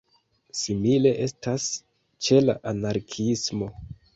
Simile estas ĉe la anarkiismo.